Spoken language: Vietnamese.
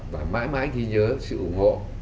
và mãi mãi ghi nhớ sự ủng hộ